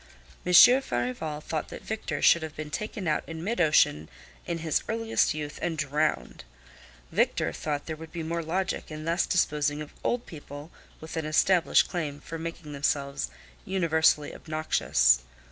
Monsieur Farival thought that Victor should have been taken out in mid ocean in his earliest youth and drowned. Victor thought there would be more logic in thus disposing of old people with an established claim for making themselves universally obnoxious.